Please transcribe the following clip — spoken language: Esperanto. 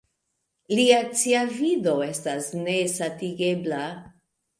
Lia sciavido estas nesatigebla.